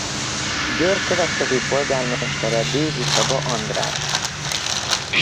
Győr következő polgármestere Dézsi Csaba András.